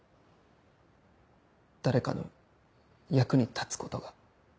誰かの役に立つことが。